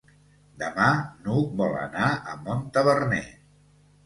Demà n'Hug vol anar a Montaverner.